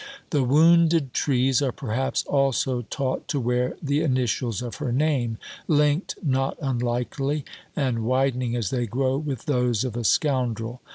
The wounded trees are perhaps also taught to wear the initials of her name, linked, not unlikely, and widening as they grow, with those of a scoundrel.